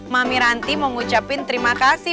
mami ranti mau ngucapin terima kasih